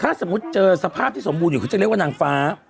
ถ้าเจอสภาพที่สมบูรณ์อยู่คุณจะเรียกว่านางฟ้า